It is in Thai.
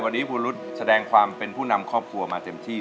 วันนี้คุณรุธแสดงความเป็นผู้นำครอบครัวมาเต็มที่